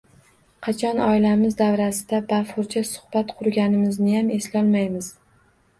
Qachon oilamiz davrasida bafurja suhbat qurganimizniyam eslolmaymiz.